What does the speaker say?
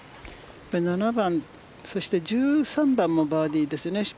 ７番、そして１３番もバーディーですね。